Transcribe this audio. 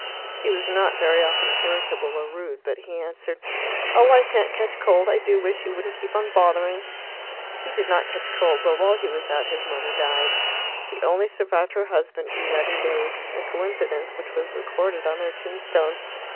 He was not very often irritable or rude, but he answered, "Oh, I shan't catch cold. I do wish you wouldn't keep on bothering." He did not catch cold, but while he was out his mother died. She only survived her husband eleven days, a coincidence which was recorded on their tombstone.